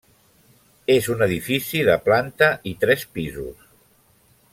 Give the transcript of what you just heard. És un edifici de planta i tres pisos.